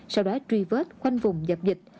sau đó truy vết khoanh vùng dập dịch